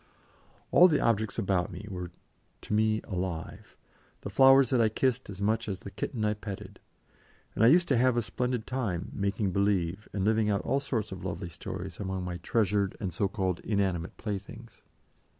All the objects about me were to me alive, the flowers that I kissed as much as the kitten I petted, and I used to have a splendid time "making believe" and living out all sorts of lovely stories among my treasured and so called inanimate playthings.